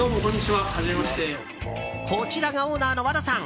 こちらがオーナーの和田さん。